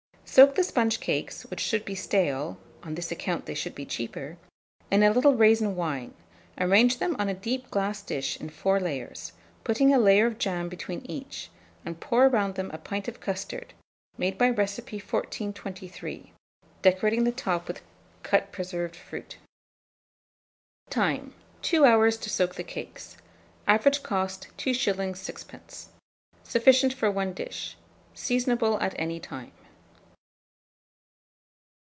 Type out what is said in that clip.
Soak the sponge cakes, which should be stale (on this account they should be cheaper), in a little raisin wine; arrange them on a deep glass dish in four layers, putting a layer of jam between each, and pour round them a pint of custard, made by recipe No. 1423, decorating the top with cut preserved fruit. Time. 2 hours to soak the cakes. Average cost, 2s. 6d. Sufficient for 1 dish. Seasonable at any time.